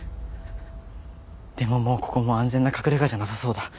でももうここも安全な隠れ家じゃなさそうだ。